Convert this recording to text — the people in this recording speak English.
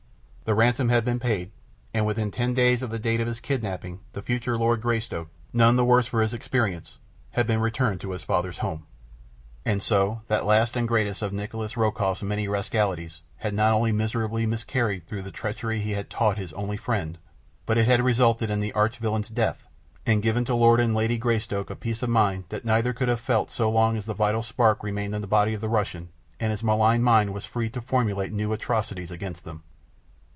The ransom had been paid, and within ten days of the date of his kidnapping the future Lord Greystoke, none the worse for his experience, had been returned to his father's home. And so that last and greatest of Nikolas Rokoff's many rascalities had not only miserably miscarried through the treachery he had taught his only friend, but it had resulted in the arch villain's death, and given to Lord and Lady Greystoke a peace of mind that neither could ever have felt so long as the vital spark remained in the body of the Russian and his malign mind was free to formulate new atrocities against them.